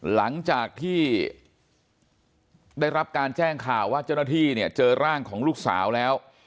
หลังจากที่ได้รับการแจ้งข่าวว่าเจ้าหน้าที่เนี่ยเจอร่างของลูกสาวแล้ว